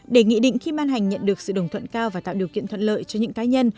để nghị định khi ban hành nhận được sự đồng thuận cao và tạo điều kiện thuận lợi cho những cá nhân